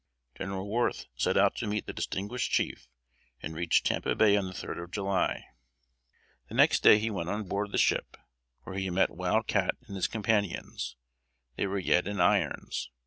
General Worth set out to meet the distinguished chief, and reached Tampa Bay on the third of July. The next day he went on board the ship, where he met Wild Cat and his companions; they were yet in irons.